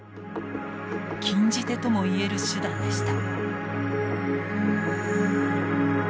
禁じ手ともいえる手段でした。